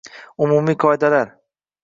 Umumiy qoidalar